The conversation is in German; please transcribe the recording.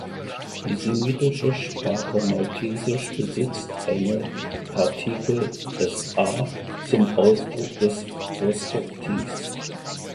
Die semitische Sprache Maltesisch besitzt eine Partikel "sa" zum Ausdruck des Prospektivs.